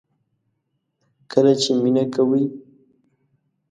کله چې مینه کوئ